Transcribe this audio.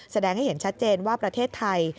แสดงให้เห็นชัดเจนว่าประเทศไทย